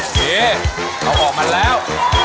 นี่เราออกมาแล้ว